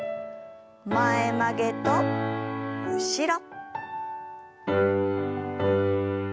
前曲げと後ろ。